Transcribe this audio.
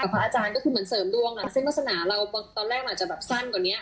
พระอาจารย์ก็คือเหมือนเสริมดวงเส้นวาสนาเราตอนแรกมันอาจจะแบบสั้นกว่านี้